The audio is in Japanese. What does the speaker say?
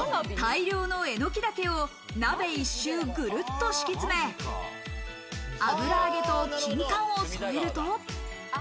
大量のえのき茸を鍋一周グルっと敷き詰め、油揚げとキンカンを添えると。